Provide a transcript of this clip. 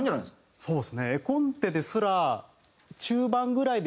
そうです。